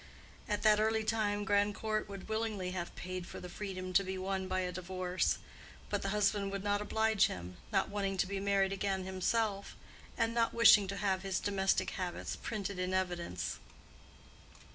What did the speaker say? At that early time Grandcourt would willingly have paid for the freedom to be won by a divorce; but the husband would not oblige him, not wanting to be married again himself, and not wishing to have his domestic habits printed in evidence.